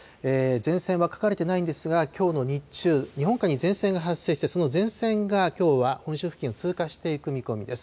前線は書かれてないんですが、きょうの日中、日本海に前線が発生して、その前線がきょうは本州付近を通過していく見込みです。